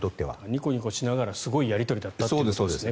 ニコニコしながらすごいやり取りだったということですね。